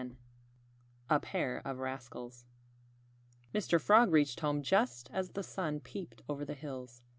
X A PAIR OF RASCALS Mr. Frog reached home just as the sun peeped over the hills.